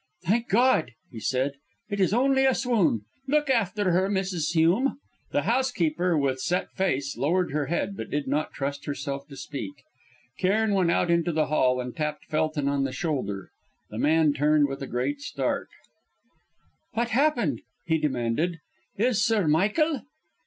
"Thank God!" he said. "It is only a swoon. Look after her, Mrs. Hume." The housekeeper, with set face, lowered her head, but did not trust herself to speak. Cairn went out into the hall and tapped Felton on the shoulder. The man turned with a great start. "What happened?" he demanded. "Is Sir Michael